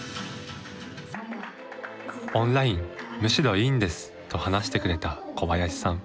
「オンラインむしろいいんです」と話してくれた小林さん。